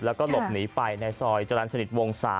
แล้วก็หลบหนีไปในซอยจรรย์สนิทวง๓